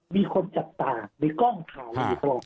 มีคนจับตามีกล้องถ่ายอยู่ตลอดเวลา